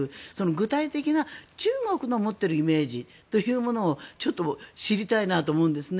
具体的な、中国の持っているイメージというものをちょっと知りたいなと思うんですね。